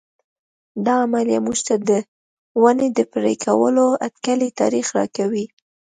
دا عملیه موږ ته د ونې د پرې کولو اټکلي تاریخ راکوي.